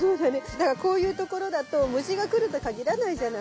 だからこういう所だと虫が来ると限らないじゃない。